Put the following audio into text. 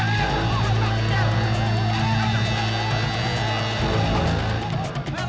di mana dia